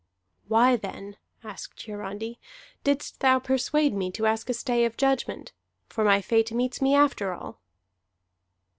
"Why, then," asked Hiarandi, "didst thou persuade me to ask a stay of judgment? For my fate meets me after all."